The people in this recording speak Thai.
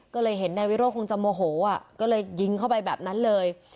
ก็เลยเห็นนายวิโรธคงจะโมโหก็เลยยิงเข้าไปแบบนั้นเลย